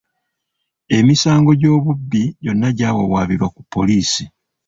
Emisango gy'obubbi gyonna gyawawaabirwa ku poliisi.